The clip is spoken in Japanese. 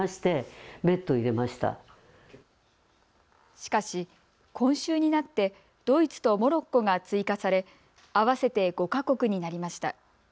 しかし今週になってドイツとモロッコが追加され合わせて５か国になりました。